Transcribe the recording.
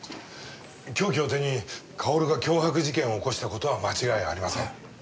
凶器を手にかおるが脅迫事件を起こした事は間違いありません。